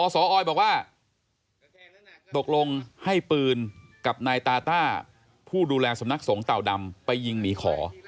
สออยบอกว่าตกลงให้ปืนกับนายตาต้าผู้ดูแลสำนักสงฆ์เต่าดำไปยิงหมีขอ